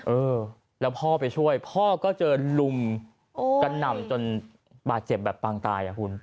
เออแล้วพ่อไปช่วยพ่อก็เจอลุมกระหน่ำจนบาดเจ็บแบบปางตายอ่ะคุณ